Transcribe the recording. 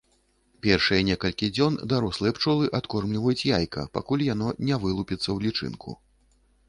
Першыя некалькі дзён дарослыя пчолы адкормліваюць яйка, пакуль яно не вылупіцца ў лічынку.